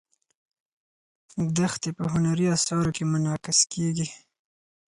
دښتې په هنري اثارو کې منعکس کېږي.